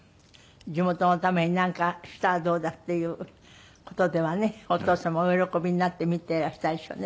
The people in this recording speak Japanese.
地元のためになんかしたらどうだっていう事ではねお父様お喜びになって見ていらしたでしょうね